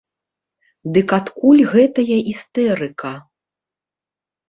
Дык адкуль гэтая істэрыка?